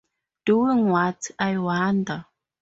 Doing what, I wonder.